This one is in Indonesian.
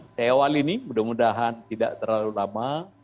saya awal ini mudah mudahan tidak terlalu lama